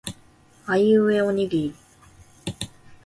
あいうえおにぎり